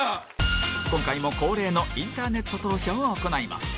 今回も恒例のインターネット投票を行います